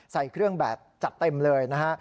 ใส่เครื่องแบบจัดเต็มเลยนะฮะ